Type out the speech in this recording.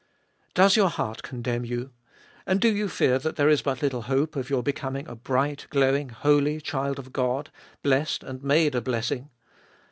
2. Does your heart condemn you, and do you fear that there is but tittle hope of your becoming a bright, growing, holy child of God, blessed and made a blessing